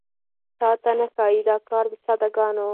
تاته نه ښايي دا کار د ساده ګانو